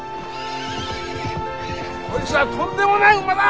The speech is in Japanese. こいつはとんでもない馬だ。